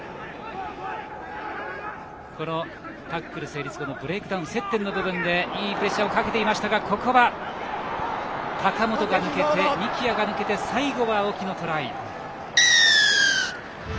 タックル成立後のブレイクダウンでいいプレッシャーをかけていましたがここは高本幹也が抜けて最後は青木のトライ。